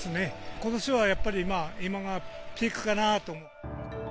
ことしはやっぱり、今がピークかなと。